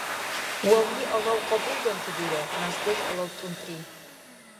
Вавни-алав къабулданти дирар, нясдеш-алав — тӀунтӀри.